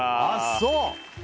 ああそう！